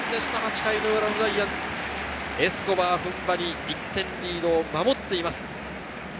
８回裏、ジャイアンツ、エスコバーが踏ん張り、１点リードを守っています。